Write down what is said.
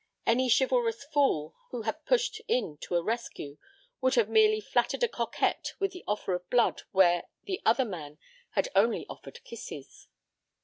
Any chivalrous fool who had pushed in to a rescue would have merely flattered a coquette with the offer of blood where the other man had only offered kisses.